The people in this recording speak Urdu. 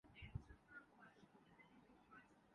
پھر فکر کس بات کی۔